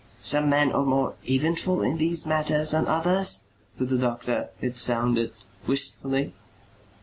"Some men are more eventful in these matters than others," said the doctor, it sounded wistfully.